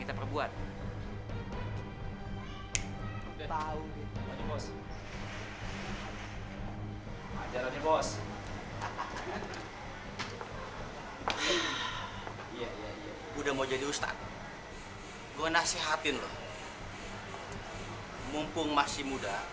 terima kasih banyak pak budi